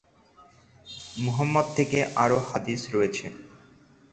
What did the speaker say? মুহাম্মাদ থেকে আরো হাদিস রয়েছে।